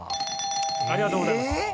ありがとうございます。